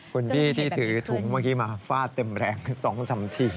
คุณพี่ที่ถือถุงเมื่อกี้มาฟาดเต็มแรง๒๓ที